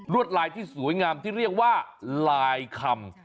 วดลายที่สวยงามที่เรียกว่าลายคำ